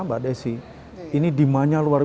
mbak desy ini dimanya luar